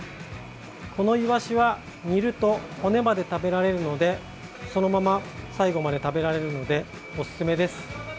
このイワシは煮ると骨まで食べられるのでそのまま最後まで食べられるのでおすすめです。